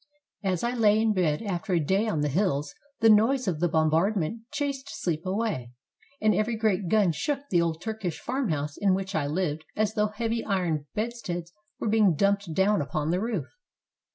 As I lay in bed after a day on the hills the noise of the bombardment chased sleep away, and every great gun shook the old Turkish farmhouse in which I lived as though heavy iron bedsteads were being dumped down upon the roof.